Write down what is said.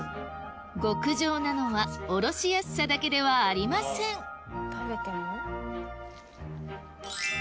極上なのはおろしやすさだけではありません食べても？